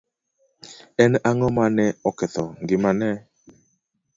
En ang'o ma ne oketho ngimane?